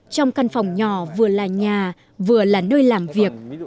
trong căn phòng nhỏ vừa là nhà vừa là nơi làm việc